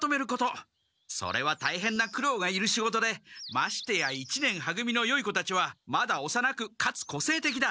それはたいへんなくろうがいる仕事でましてや一年は組のよい子たちはまだおさなくかつこせいてきだ。